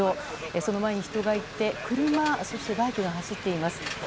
その前に人がいて車、そしてバイクが走っています。